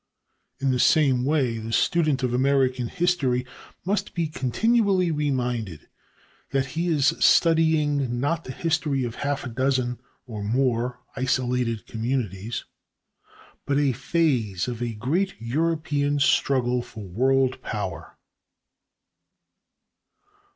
In the same way, the student of American history must be continually reminded that he is studying not the history of half a dozen or more isolated communities, but a phase of a great European struggle for world power.